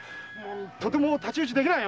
とても太刀打ちできない。